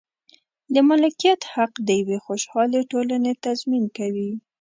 د مالکیت حق د یوې خوشحالې ټولنې تضمین کوي.